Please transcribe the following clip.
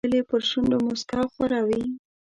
تل یې پر شونډو موسکا خوره وي.